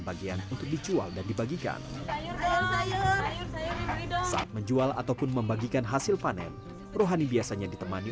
bagian untuk dijual dan dibagikan saat menjual ataupun membagikan hasil panen rohani biasanya ditemani